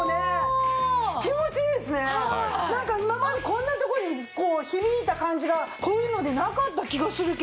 なんか今までこんなとこに響いた感じがこういうのでなかった気がするけど。